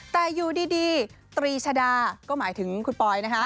แต่อยู่ดีตรีชดาก็หมายถึงคุณปอยนะคะ